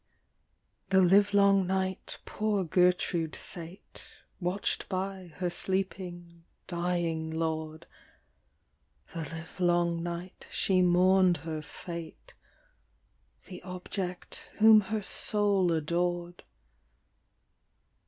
The live long night poor Gertrude sate, Watch'd by her sleeping dying lord ; The live long night she mourn'd her fate, The object whom her soul ador'd.